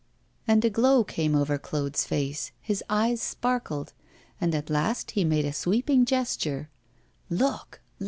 And a glow came over Claude's face, his eyes sparkled, and at last he made a sweeping gesture: 'Look!